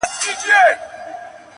که ترخه شراب ګنا ده او حرام دي.